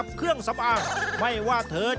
เมื่อเสื้อผ้าหน้าผมพร้อม